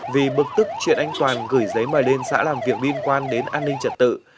vì bực tức chuyện anh toàn gửi giấy mời lên xã làm việc liên quan đến an ninh trật tự